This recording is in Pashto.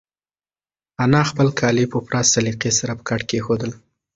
انا خپل کالي په پوره سلیقې سره په کټ کېښودل.